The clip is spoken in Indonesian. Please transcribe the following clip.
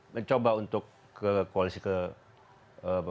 mencoba untuk ke koalisi ke depan